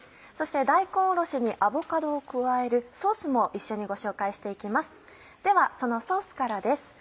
そして大根おろしにアボカドを加えるソースも一緒にご紹介して行きますではそのソースからです。